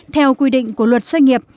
theo quy định của luật doanh nghiệp